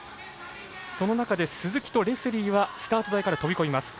その中で鈴木とレスリーはスタート台から飛び込みます。